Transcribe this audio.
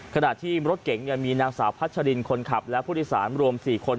ขณะที่รถเก๋งมีนางสาวพัชรินคนขับและผู้โดยสารรวม๔คน